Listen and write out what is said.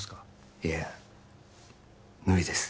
いえ無理です